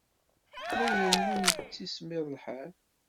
La irennu yettismiḍ lḥal.